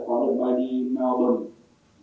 kaukana hay là của đan mạc